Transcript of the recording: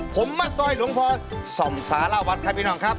ผมมาซอยหลวงพ่อส่องสารวัตรครับพี่น้องครับ